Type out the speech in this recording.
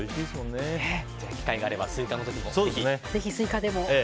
機会があればスイカの時も。